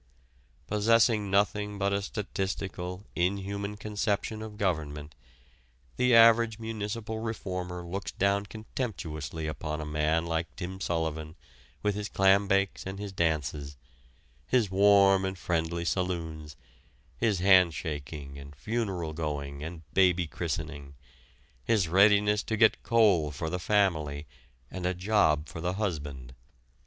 Possessing nothing but a statistical, inhuman conception of government, the average municipal reformer looks down contemptuously upon a man like Tim Sullivan with his clambakes and his dances; his warm and friendly saloons, his handshaking and funeral going and baby christening; his readiness to get coal for the family, and a job for the husband.